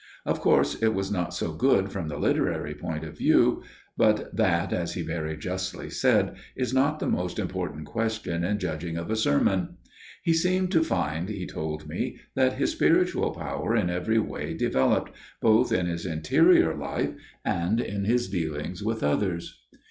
Of course it was not so good from the literary point of view; but that, as he very justly said, is not the most important question in judging of a sermon. He seemed to find, he told me, that his spiritual power in every way developed, both in his interior life and in his dealings with others.